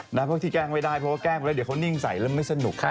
เพราะบางทีแกล้งไม่ได้เพราะว่าแกล้งไปแล้วเดี๋ยวเขานิ่งใส่แล้วไม่สนุก